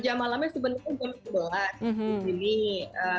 jam malamnya sebenarnya kita berdua di sini